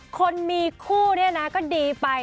คนมีคู่เนี่ยนะก็ดีไป